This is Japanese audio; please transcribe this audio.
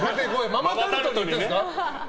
ママタルトが言ってるんですか？